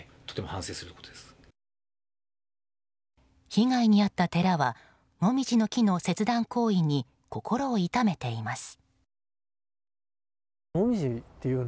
被害に遭った寺はモミジの木の切断行為に心を痛めています。